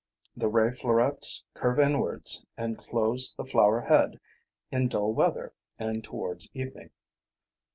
The ray florets curve inwards and "close" the flower head in dull weather and towards evening.